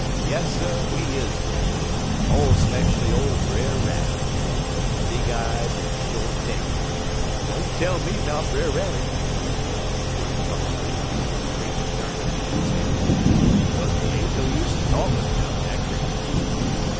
Yasser, we is dat; mo' speshually ole Brer Rabbit, wid he big eye and he short tail. Don't tell me 'bout Brer Rabbit!" exclaimed Uncle Remus, with a great apparent enthusiasm, "'kaze dey ain't no use er talkin' 'bout dat creetur."